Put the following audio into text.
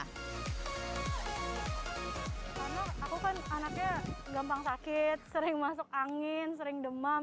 karena aku kan anaknya gampang sakit sering masuk angin sering demam